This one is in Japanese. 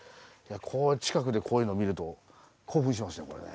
こう近くでこういうの見ると興奮しますねこれね。